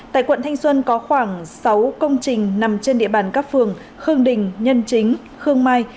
tại quận thanh xuân có khoảng sáu công trình nằm trên địa bàn các phường khương đình nhân chính khương mai